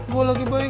gue lagi baik